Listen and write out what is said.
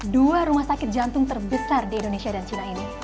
dua rumah sakit jantung terbesar di indonesia dan cina ini